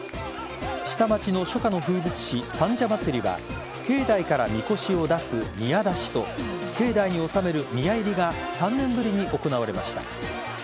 下町の初夏の風物詩・三社祭は境内からみこしを出す宮出しと境内に収める宮入りが３年ぶりに行われました。